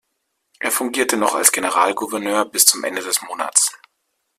Er fungierte noch als Generalgouverneur bis zum Ende des Monates.